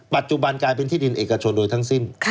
ปัจจุบันกลายเป็นที่ดินเอกชนโดยทั้งสิ้น